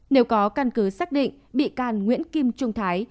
nếu có căn cứ xác định bị can nguyễn kim trung thái